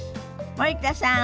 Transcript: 森田さん